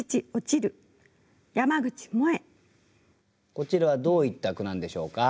こちらはどういった句なんでしょうか？